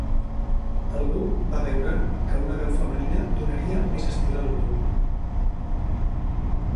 El grup va veure que una veu femenina donaria més estil al grup.